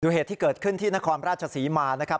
เหตุที่เกิดขึ้นที่นครราชศรีมานะครับ